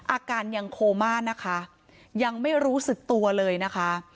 อาการยังโคม่านะคะยังไม่รู้สึกตัวเลยนะคะ